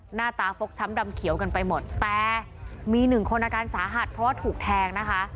หน้าตาฟกช้ำดำเขียวกันไปหมดแต่มีหนึ่งคนอาการสาหัสเพราะว่าถูกแทงนะคะ